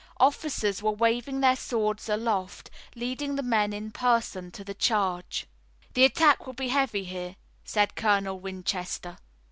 Officers were waving their swords aloft, leading the men in person to the charge. "The attack will be heavy here," said Colonel Winchester.